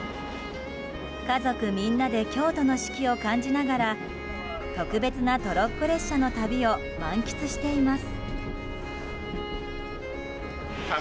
家族みんなで京都の四季を感じながら特別なトロッコ列車の旅を満喫しています。